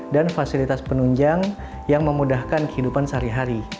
dan fasilitas penunjang yang memudahkan kehidupan sehari hari